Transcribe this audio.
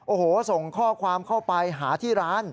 โอ้โหส่งข้อความเข้าไปหาที่ร้าน